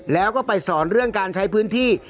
แล้วก็ไปสอนเรื่องการใช้พื้นที่